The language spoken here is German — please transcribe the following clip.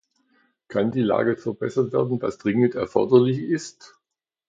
Kann die Lage verbessert werden, was dringend erforderlich ist?